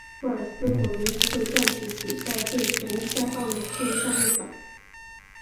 威尔斯国民议会暂时只在被权力下放的事务上立法。